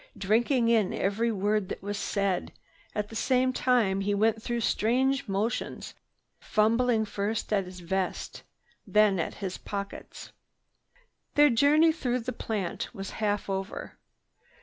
Drinking in every word that was said, at the same time he went through strange motions, fumbling first at his vest, then at his pockets. Their journey through the plant was half over.